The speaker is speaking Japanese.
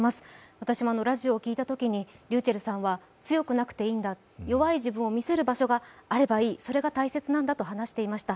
私もラジオを聴いたきに、ｒｙｕｃｈｅｌｌさんは強くなくていいんだ、弱い自分を見せる場所があればいい、それが大切なんだと話していました。